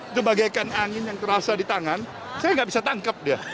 itu bagaikan angin yang terasa di tangan saya nggak bisa tangkap dia